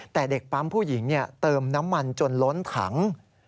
แต่เด็กปั๊มผู้หญิงเติมน้ำมันจนล้นถัง